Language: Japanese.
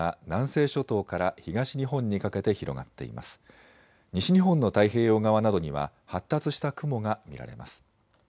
西日本の太平洋側などには発達した雲が見られます。